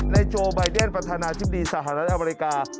ในโจ้บายเดนพัฒนาชิ้นดีสหรัฐอเมริกา